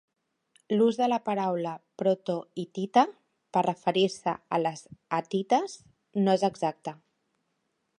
L'ús de la paraula "proto-hitita" per referir-se als hatites no és exacte.